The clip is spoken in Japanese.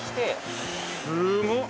すごっ。